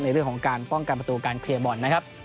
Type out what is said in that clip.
ในเรื่องของการป้องกันประตูการเคลียร์บอลนะครับ